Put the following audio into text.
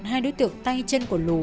hai đối tượng tay chân của lũ